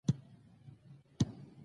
باسواده میندې د ماشومانو ښه روزنه کوي.